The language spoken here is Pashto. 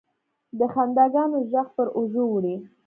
د خنداګانو، ږغ پر اوږو وړي